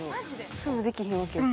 そういうのできひんわけやし。